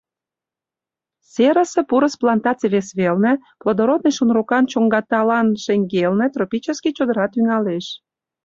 Серысе пурыс плантаций вес велне, плодородный шунрокан чоҥгаталан шеҥгелне тропический чодыра тӱҥалеш.